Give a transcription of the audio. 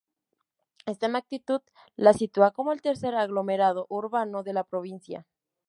Esta magnitud la sitúa como el tercer aglomerado urbano de la provincia.